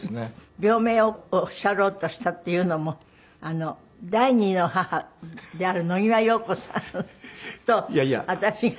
病名をおっしゃろうとしたっていうのも第２の母である野際陽子さんと私が。